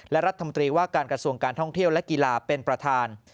และรัฐมนตรีว่าการกระทรวงการท่องเที่ยวและกีฬาเป็นประธาน